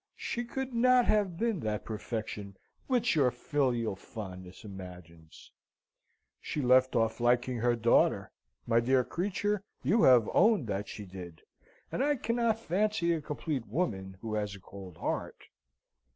She could not have been that perfection which your filial fondness imagines. She left off liking her daughter my dear creature, you have owned that she did and I cannot fancy a complete woman who has a cold heart.